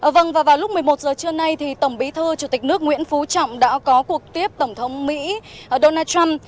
vâng và vào lúc một mươi một giờ trưa nay tổng bí thư chủ tịch nước nguyễn phú trọng đã có cuộc tiếp tổng thống mỹ donald trump